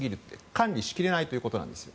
管理しきれないということなんです。